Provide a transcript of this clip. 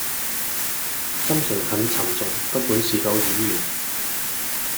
心情很沉重不管是否演員